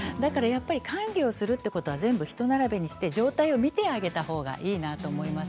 管理をするということは一並べにして状態を見てあげた方がいいと思います。